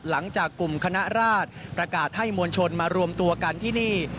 หลังจากกลุ่มคณะราชประกาศให้มวลชนมารวมตัวกันที่นี่